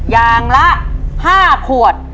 อย่างละ๕ขวด